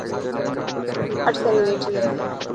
ماٺ ڪري ٻيٺي هي.